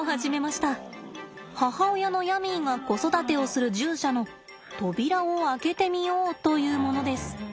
母親のヤミーが子育てをする獣舎の扉を開けてみようというものです。